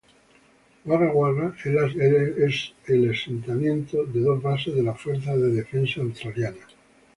Wagga Wagga es la asentamientos de dos bases de la Fuerza de Defensa Australiana.